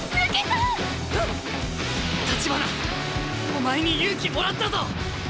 お前に勇気もらったぞ！